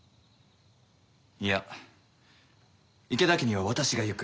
いや池田家には私が行く。